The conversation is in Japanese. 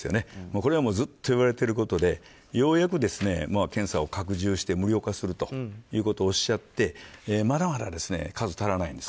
これはずっといわれていることでようやく検査を拡充して無料化するということをおっしゃってまだまだ数が足らないんです。